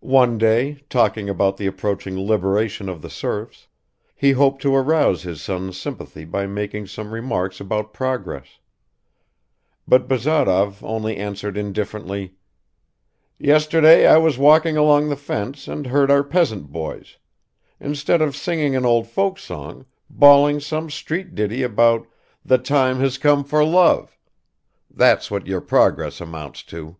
One day, talking about the approaching liberation of the serfs, he hoped to arouse his son's sympathy by making some remarks about progress; but Bazarov only answered indifferently, "Yesterday I was walking along the fence and heard our peasant boys, instead of singing an old folk song, bawling some street ditty about 'the time has come for love' ... that's what your progress amounts to."